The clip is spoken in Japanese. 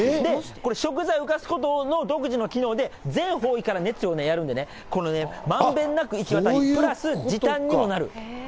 食材浮かすことの独自の機能で全方位から熱をやるんでね、このまんべんなく行き渡り、プラス時短にもなる。